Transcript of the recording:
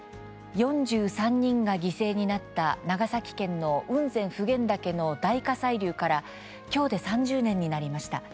４３人が犠牲になった長崎県の雲仙・普賢岳の大火砕流からきょうで３０年になりました。